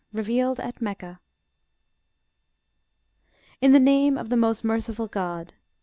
REVEALED AT MECCA In the name of the most merciful GOD.